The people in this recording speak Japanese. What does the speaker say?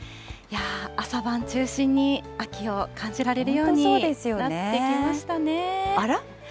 朝晩中心に秋を感じられるようになってきましたね。